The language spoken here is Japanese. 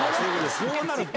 そうなると。